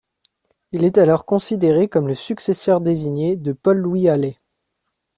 Il est alors considéré comme le successeur désigné de Paul-Louis Halley.